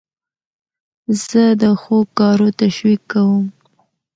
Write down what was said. زه د ښو کارو تشویق کوم.